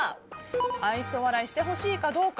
愛想笑いしてほしいかどうか。